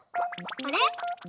あれ？